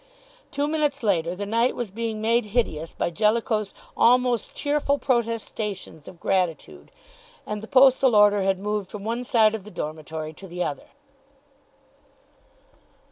Two minutes later the night was being made hideous by Jellicoe's almost tearful protestations of gratitude, and the postal order had moved from one side of the dormitory to the other.